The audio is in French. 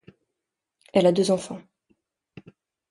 Elle a deux enfants.